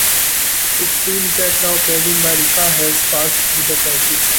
It seems that now Kazincbarcika has passed through the crisis.